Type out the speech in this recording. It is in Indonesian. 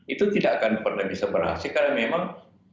itu tidak akan pernah bisa berhasil karena memang